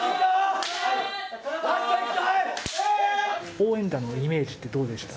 応援団のイメージってどうでした？